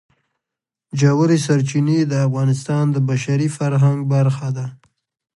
ژورې سرچینې د افغانستان د بشري فرهنګ برخه ده.